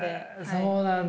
そうなんだ。